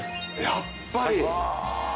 やっぱり！